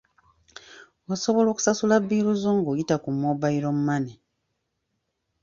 Osobola okusasula bbiiru zo ng'oyita ku mobile money.